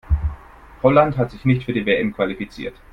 Holland hat sich nicht für die WM qualifiziert.